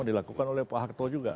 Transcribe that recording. dilakukan oleh pak harto juga